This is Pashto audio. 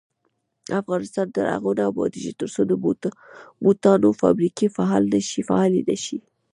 افغانستان تر هغو نه ابادیږي، ترڅو د بوټانو فابریکې فعالې نشي.